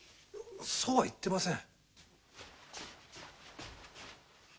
そうは言ってません。